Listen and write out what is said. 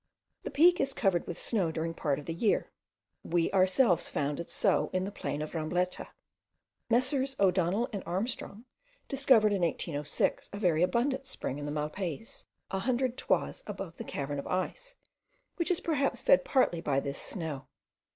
The peak is covered with snow during part of the year; we ourselves found it still so in the plain of Rambleta. Messrs. O'Donnel and Armstrong discovered in 1806 a very abundant spring in the Malpays, a hundred toises above the cavern of ice, which is perhaps fed partly by this snow.